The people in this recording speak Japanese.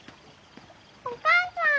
お母さん！